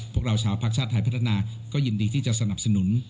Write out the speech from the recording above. พวกเราชาวภาคชาติไทยพัฒนาก็ยินดีที่จะสนับสนุน